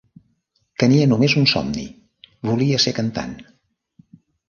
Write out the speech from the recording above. Tenia només un somni: volia ser cantant.